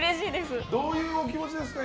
どういうお気持ちですか？